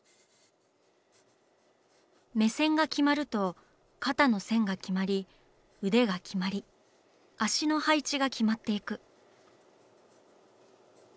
目線が決まると肩の線が決まり腕が決まり足の配置が決まっていく。